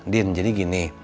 din jadi gini